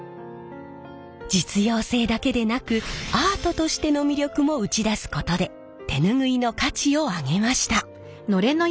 実用性だけでなくアートとしての魅力も打ち出すことで手ぬぐいの価値を上げました。